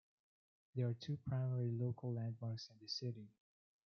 There are two primary local landmarks in this city.